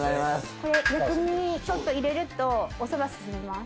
これ薬味ちょっと入れるとおそば進みます。